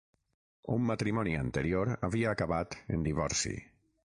Un matrimoni anterior havia acabat en divorci.